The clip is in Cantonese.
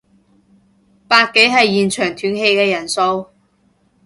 百幾係現場斷氣嘅人數